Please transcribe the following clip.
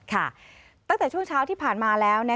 ตั้งแต่ช่วงเช้าที่ผ่านมาแล้ว